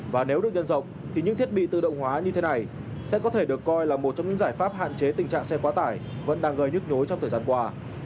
và nếu được nhân rộng thì những thiết bị tự động hóa như thế này sẽ có thể được coi là một trong những giải pháp hạn chế tình trạng xe quá tải vẫn đang gây nhức nhối trong thời gian qua